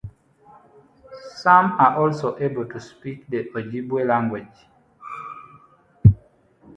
Some are also able to speak the Ojibwe language.